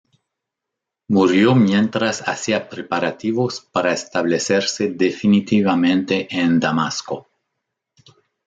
Murió mientras hacía preparativos para establecerse definitivamente en Damasco.